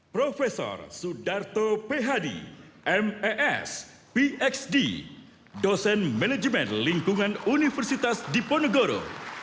prof sudarto pehadi mes pxd dosen manajemen lingkungan universitas diponegoro